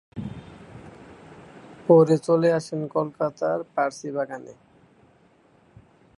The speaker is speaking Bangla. পরে চলে আসেন কলকাতার পার্সিবাগানে।